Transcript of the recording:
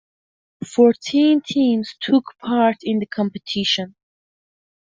Fourteen teams took part in the competition.